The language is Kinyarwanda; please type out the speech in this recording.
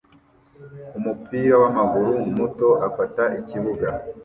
Umupira wamaguru muto afata ikibuga